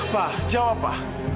pak jawab pak